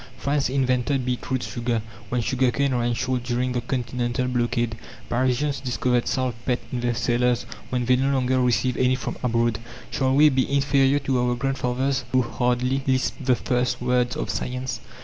France invented beet root sugar when sugar cane ran short during the continental blockade. Parisians discovered saltpetre in their cellars when they no longer received any from abroad. Shall we be inferior to our grandfathers, who hardly lisped the first words of science?